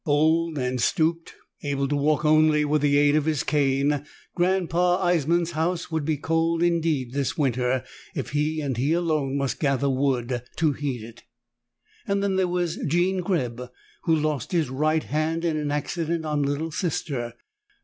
Old and stooped, able to walk only with the aid of his cane, Grandpa Eissman's house would be cold indeed this winter if he and he alone must gather wood to heat it. Then there was Jean Greb, who'd lost his right hand in an accident on Little Sister.